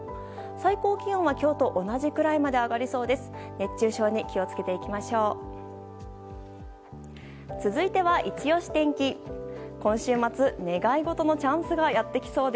最高気温は今日と同じくらいまで上がりそうです。